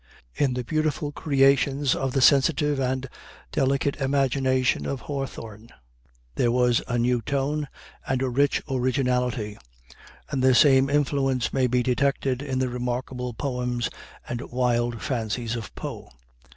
In the beautiful creations of the sensitive and delicate imagination of Hawthorne, there was a new tone and a rich originality, and the same influence may be detected in the remarkable poems and the wild fancies of Poe.